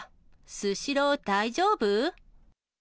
スシロー大丈夫？